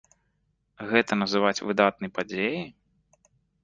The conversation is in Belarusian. Гэта называць выдатнай падзеяй?